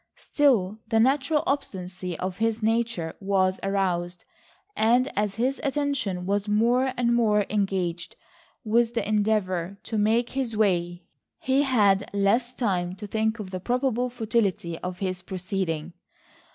Still the natural obstinacy of his nature was aroused, and as his attention was more and more engaged with the endeavor to make his way, he had less time to think of the probable futility of his proceeding.